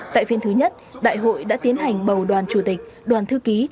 tại phiên thứ nhất đại hội đã tiến hành bầu đoàn chủ tịch đoàn thư ký